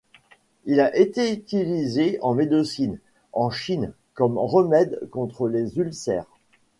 Il a été utilisé en médecine, en Chine comme remède contre les ulcères.